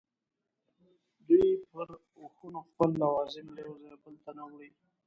دوی پر اوښانو خپل لوازم له یوه ځایه بل ته نه وړي.